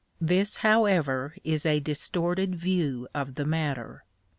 This, however, is a distorted view of the matter.